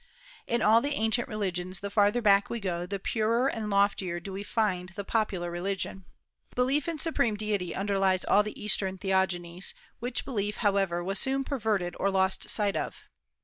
In all the ancient religions the farther back we go the purer and loftier do we find the popular religion. Belief in supreme deity underlies all the Eastern theogonies, which belief, however, was soon perverted or lost sight of.